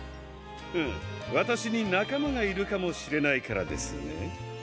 フンわたしになかまがいるかもしれないからですね？